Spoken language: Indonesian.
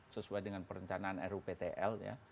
sesuai dengan perencanaan ruptl ya